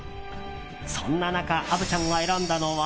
そんな中虻ちゃんが選んだのは。